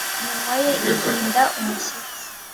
Iminwa ye ihinda umushyitsi